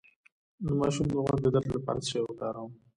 د ماشوم د غوږ د درد لپاره څه شی وکاروم؟